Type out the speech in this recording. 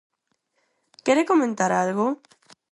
¿Quere comentar algo?